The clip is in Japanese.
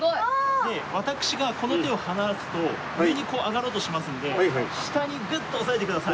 で私がこの手を離すと上にこう上がろうとしますので下にグッと押さえてください。